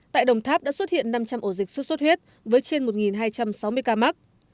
tại đồng tháp đã xuất hiện năm trăm linh ổ dịch xuất xuất huyết với trên một hai trăm sáu mươi ca mắc